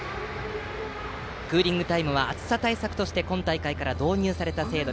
クーリングタイムは暑さ対策として今大会から導入された制度。